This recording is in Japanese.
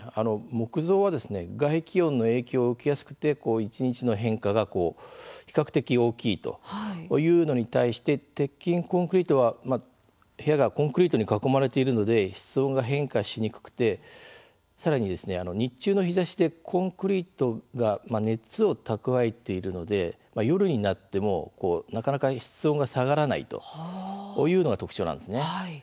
木造は外気温の影響を受けやすくて一日の変化が比較的大きいというのに対して鉄筋コンクリートは部屋がコンクリートに囲まれているので室温が変化しにくくてさらに、日中の日ざしでコンクリートが熱を蓄えているので夜になってもなかなか室温が下がらないというのが特徴なんですね。